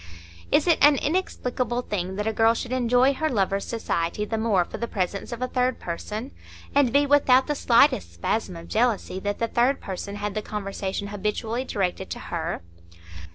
Is it an inexplicable thing that a girl should enjoy her lover's society the more for the presence of a third person, and be without the slightest spasm of jealousy that the third person had the conversation habitually directed to her?